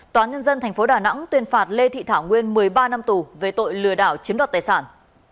tòa nhân dân tp đà nẵng tuyên phạt lê thị thảo nguyên một mươi ba năm tù về tội lừa đảo chiếm đoạt tài sản